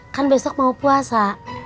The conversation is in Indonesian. kan besok mau puasa